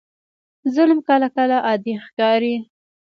ظلم کله کله عادي ښکاري.